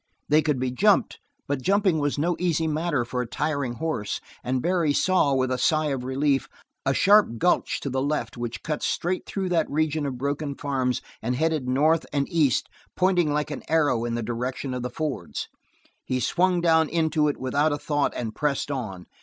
They could be jumped, but jumping was no easy matter for a tiring horse, and Barry saw, with a sigh of relief, a sharp gulch to the left which cut straight through that region of broken farms and headed north and east pointing like an arrow in the direction of the fords. He swung down into it without a thought and pressed on.